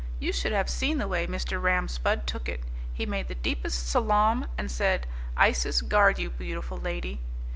You should have seen the way Mr. Ram Spudd took it. He made the deepest salaam and said, 'Isis guard you, beautiful lady.'